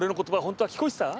本当は聞こえてた？